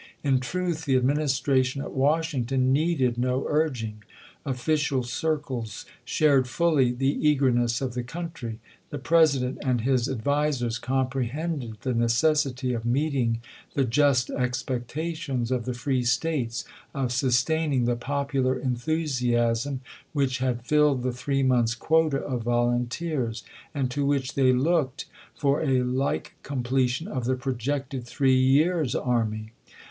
In truth the Administration at Washington needed no urging. Official circles shared fully the eager ness of the country. The President and his ad visers comprehended the necessity of meeting the just expectations of the free States, of sustain ing the popular enthusiasm which had filled the three months' quota of volunteers, and to which they looked for a like completion of the projected three years' army.